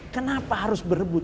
kenapa harus berebut